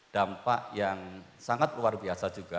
dampak yang sangat luar biasa juga